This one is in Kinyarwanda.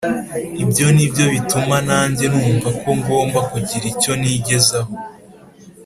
ibyo ni byo bituma nange numva ko ngomba kugira icyo nigezaho